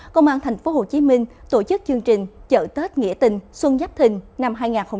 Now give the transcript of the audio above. công an thành phố hồ chí minh tổ chức chương trình chợ tết nghĩa tình xuân giáp thình năm hai nghìn hai mươi bốn